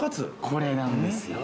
これなんですよ。